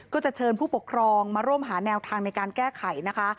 ก็จะเชิญผู้ปกครองมาร่วมหาแนวทางในการแก้ไขนะคะ